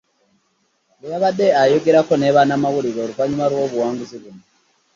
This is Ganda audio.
Bwe yabadde ayogerako ne bannamawulire oluvannyuma lw'obuwanguzi buno